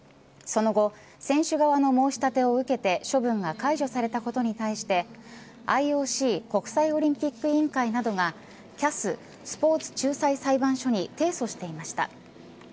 その後選手側の申し立てを受けて処分が解除されたことに対してＩＯＣ国際オリンピック委員会などがＣＡＳ、スポーツ仲裁裁判所に提訴していました。